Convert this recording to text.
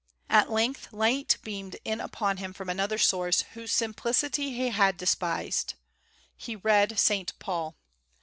At length light beamed in upon him from another source, whose simplicity he had despised. He read Saint Paul.